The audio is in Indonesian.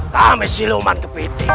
kami siluman kepenting